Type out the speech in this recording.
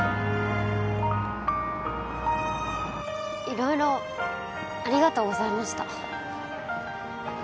色々ありがとうございました